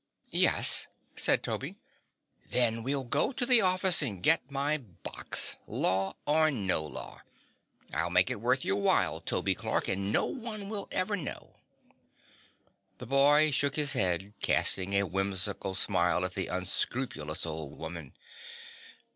"Yes," said Toby. "Then we'll go to the office and get my box, law or no law. I'll make it worth your while, Toby Clark, and no one will ever know." The boy shook his head, casting a whimsical smile at the unscrupulous old woman.